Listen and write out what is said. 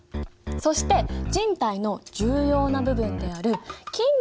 そして人体の重要な部分であるふん。